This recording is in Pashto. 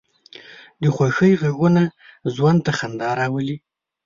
د خوښۍ غږونه ژوند ته خندا راولي